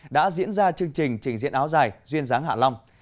đã diễn ra chương trình trình diễn áo dài duyên dáng hạ long